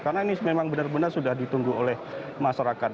karena ini memang benar benar sudah ditunggu oleh masyarakat